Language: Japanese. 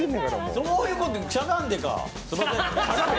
そういうことか、しゃがんでか。